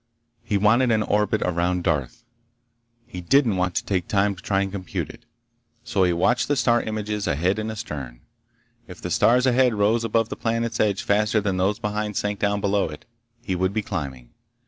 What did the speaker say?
He wanted an orbit around Darth. He didn't want to take time to try to compute it. So he watched the star images ahead and astern. If the stars ahead rose above the planet's edge faster than those behind sank down below it—he would be climbing.